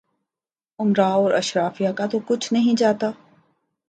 امرا اور اشرافیہ کا تو کچھ نہیں جاتا۔